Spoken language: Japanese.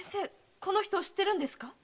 この人を知っているんですか？